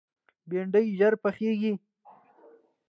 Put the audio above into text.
بېنډۍ ژر پخېږي